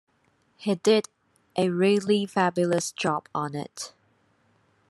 He did a really fabulous job on it.